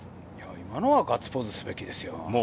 今のはガッツポーズすべきですよ。